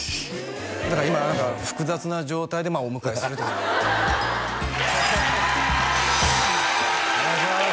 だから今何か複雑な状態でお迎えするというお願いします